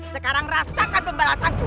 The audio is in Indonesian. sekarang rasakan pembalasanku